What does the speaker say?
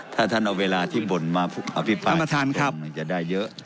ถ้าท่านเอาเวลาที่บ่นมาอภิปราณจะได้เยอะ